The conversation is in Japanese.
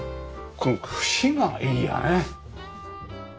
この節がいいよね。